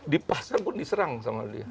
di pasar pun diserang sama dia